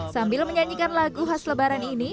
sambil menyanyikan lagu khas lebaran ini